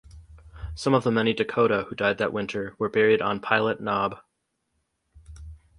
Some of the many Dakota who died that winter were buried on Pilot Knob.